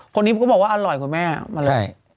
คนนี้ก็บอกว่าอร่อยกว่าแม่มาเลย